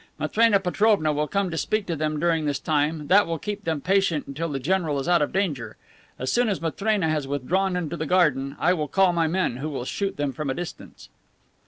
Matrena Petrovna will come to speak to them during this time; that will keep them patient until the general is out of danger. As soon as Matrena has withdrawn into the garden, I will call my men, who will shoot them from a distance."